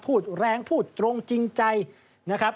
พูดแรงพูดตรงจริงใจนะครับ